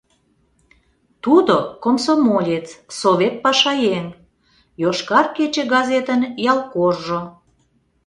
Тудо — комсомолец, совет пашаеҥ, «Йошкар кече» газетын ялкоржо.